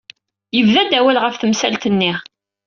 Yebda-d awal ɣef temsalt-nni.